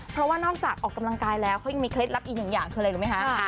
เพราะว่านอกจากออกกำลังกายแล้วเขายังมีเคล็ดลับอีกหนึ่งอย่างคืออะไรรู้ไหมคะ